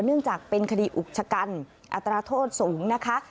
เนื่องจากเป็นคดีอุกชะกันอัตราโทษสูงนะคะ